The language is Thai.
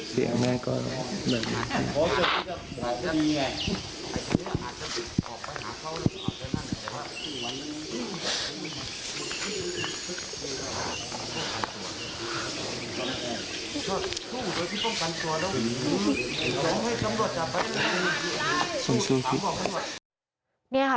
เสียงแม่ก็ลง